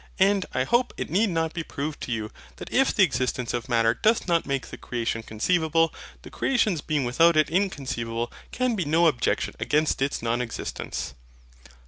And, I hope it need not be proved to you that if the existence of Matter doth not make the creation conceivable, the creation's being without it inconceivable can be no objection against its non existence.